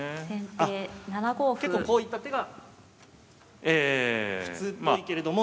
あっ結構こういった手が普通っぽいけれども。